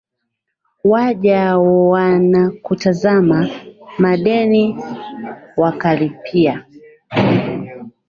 Waja wanakutazama, madeni wakalipia,